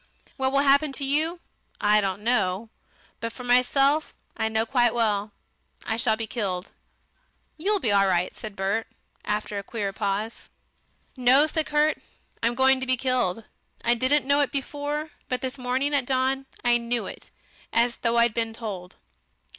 What will happen to you I don't know, but for myself, I know quite well; I shall be killed." "You'll be all right," said Bert, after a queer pause. "No!" said Kurt, "I'm going to be killed. I didn't know it before, but this morning, at dawn, I knew it as though I'd been told."